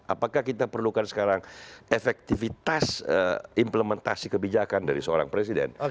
apakah kita perlukan sekarang efektivitas implementasi kebijakan dari seorang presiden